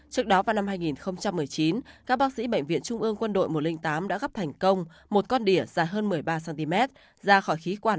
trước đó vào năm hai nghìn một mươi chín các bác sĩ bệnh viện trung ương quân đội một trăm linh tám đã gấp thành công một con đỉa dài hơn một mươi ba cm ra khỏi khí quản